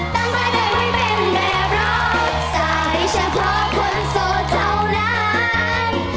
ตั้งค่าใจว่าเป็นแบบร้อยสายเฉพาะคนโสดเท่านั้น